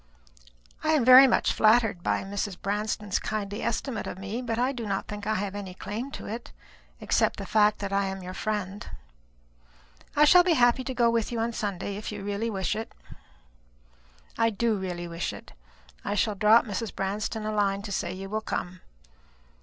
"I am very much flattered by Mrs. Branston's kindly estimate of me, but I do not think I have any claim to it, except the fact that I am your friend. I shall be happy to go with you on Sunday, if you really wish it." "I do really wish it. I shall drop Mrs. Branston a line to say you will come.